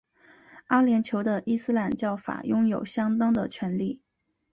阿联酋的伊斯兰教法拥有相当的权力。